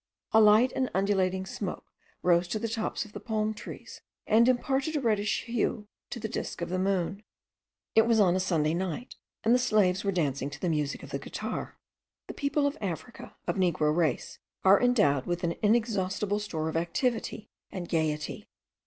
A light and undulating smoke rose to the tops of the palm trees, and imparted a reddish hue to the disk of the moon. It was on a Sunday night, and the slaves were dancing to the music of the guitar. The people of Africa, of negro race, are endowed with an inexhaustible store of activity and gaiety.